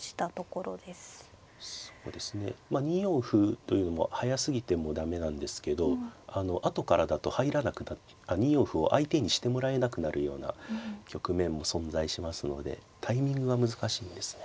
２四歩というのは早すぎても駄目なんですけど後からだと入らなくなる２四歩を相手にしてもらえなくなるような局面も存在しますのでタイミングが難しいんですね。